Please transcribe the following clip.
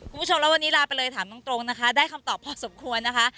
คุณผู้ชมแล้ววันนี้ลาไปเลยถามตรงนะคะได้คำตอบพอสมควรนะคะ